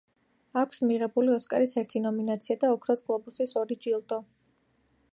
აქვს მიღებული ოსკარის ერთი ნომინაცია და ოქროს გლობუსის ორი ჯილდო.